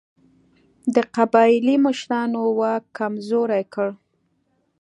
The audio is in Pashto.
د قبایلي مشرانو واک کمزوری کړ.